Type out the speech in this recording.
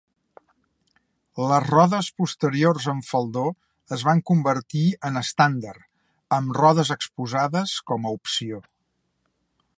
Les rodes posteriors amb faldó es van convertir en estàndard, amb rodes exposades com a opció.